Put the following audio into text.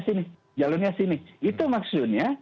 sini jalurnya sini itu maksudnya